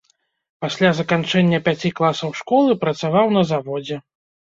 Пасля заканчэння пяці класаў школы працаваў на заводзе.